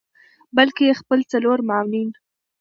بلکه خپل څلور معاونین